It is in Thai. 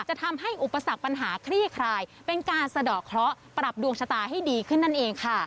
จะทำให้อุปสรรคปัญหาคลี่คลายเป็นการสะดอกเคราะห์ปรับดวงชะตาให้ดีขึ้นนั่นเองค่ะ